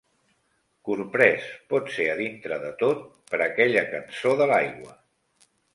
Corprès, pot-ser a dintre de tot, per aquella cançó de l'aigua.